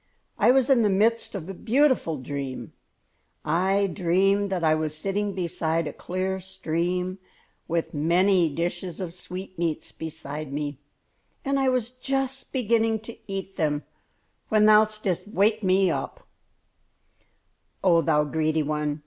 I was in the midst of a beautiful dream. I dreamed that I was sitting beside a clear stream, with many dishes of sweetmeats beside me, and I was just beginning to eat them when thou didst wake me." "Oh, thou greedy one!